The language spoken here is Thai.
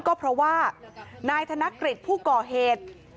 ก็เพราะว่านายธนกฤษผู้ก่อเหตุ